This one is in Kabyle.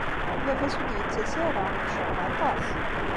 Baba-s ur d-yettas ara. Yecɣel aṭas.